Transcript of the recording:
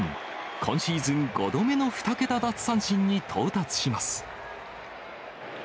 今シーズン５度目の２桁奪三振に到達します。